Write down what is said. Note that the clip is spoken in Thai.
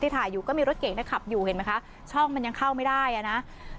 ถ่ายอยู่ก็มีรถเก่งนะขับอยู่เห็นไหมคะช่องมันยังเข้าไม่ได้อ่ะนะ